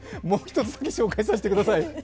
もう一つご紹介させてください。